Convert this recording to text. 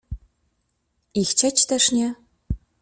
i chcieć też nie.